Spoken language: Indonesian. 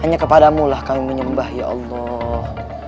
hanya kepadamulah kami menyembah ya allah